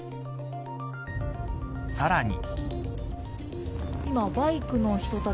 さらに。